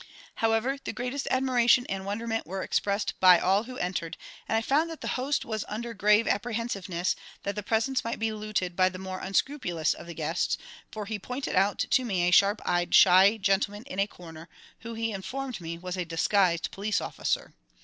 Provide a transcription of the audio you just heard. However, the greatest admiration and wonderment were expressed by all who entered, and I found that the host was under grave apprehensiveness that the presents might be looted by the more unscrupulous of the guests, for he pointed out to me a sharp eyed, shy gentleman in a corner, who, he informed me, was a disguised police officer.